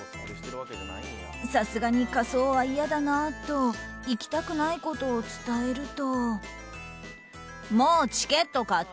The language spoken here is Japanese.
さすがに仮装は嫌だなと行きたくないことを伝えると。